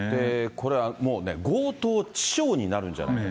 これはもうね、強盗致傷になるんじゃないかと。